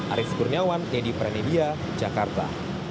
arief gurniawan teddy pranibia jakarta